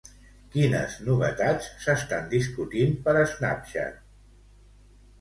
Quines novetats s'estan discutint per Snapchat?